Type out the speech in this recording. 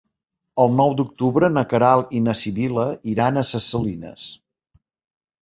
El nou d'octubre na Queralt i na Sibil·la iran a Ses Salines.